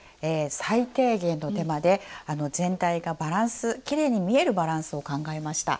最低限の手間で全体がバランスきれいに見えるバランスを考えました。